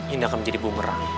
ini akan menjadi bumerang